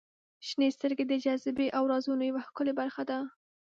• شنې سترګې د جاذبې او رازونو یوه ښکلې برخه ده.